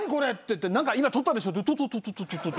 何か今撮ったでしょって。